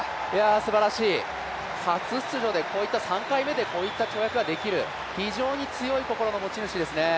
すばらしい、初出場でこういった３回目でこういった跳躍ができる、非常に強い心の持ち主ですね。